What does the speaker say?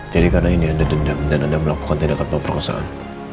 jadi karena ini anda dendam dan anda melakukan tindakan pemperasaan